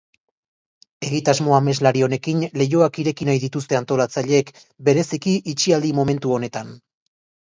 Egitasmo ameslari honekin leihoak ireki nahi dituzte antolatzaileek, bereziki itxialdi momentu honetan.